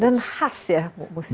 dan khas ya musiknya